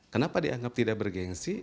kenapa dianggap tidak bergensi